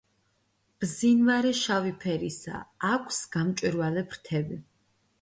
მბზინვარე შავი ფერისაა, აქვს გამჭვირვალე ფრთები.